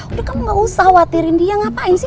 udah kamu gak usah khawatirin dia ngapain sih